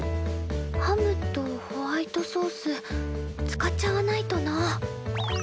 ハムとホワイトソース使っちゃわないとな。